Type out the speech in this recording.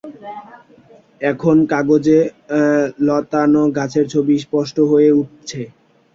এখন কাগজে লতানো গাছের ছবি স্পষ্ট হয়ে উঠছে।